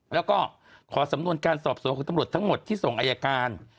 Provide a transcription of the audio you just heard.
แล้วก็ขอสำนวนการสอบสวนของตำรวจทั้งหมดที่ส่งอายการ